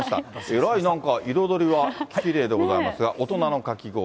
えらいなんか、彩りはきれいでございますが、大人のかき氷。